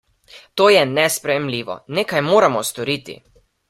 To je nesprejemljivo, nekaj moramo storiti!